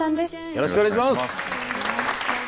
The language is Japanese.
よろしくお願いします。